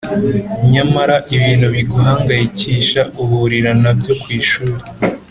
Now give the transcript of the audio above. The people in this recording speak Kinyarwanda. Nyamara ibintu biguhangayikisha uhurira na byo ku ishuri